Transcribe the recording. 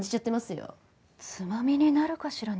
つまみになるかしらね？